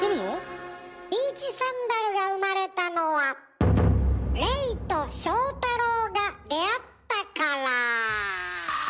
ビーチサンダルが生まれたのはレイと庄太郎が出会ったから。